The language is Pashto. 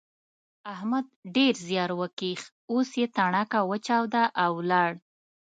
احمد ډېر زیار وکيښ اوس يې تڼاکه وچاوده او ولاړ.